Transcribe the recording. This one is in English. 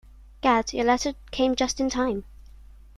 Gad, your letter came just in time.